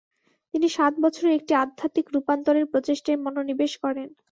তিনি সাত বছরের একটি আধ্যাত্বিক রূপান্তরের প্রচেষ্টায় মনোনিবেশ করেন।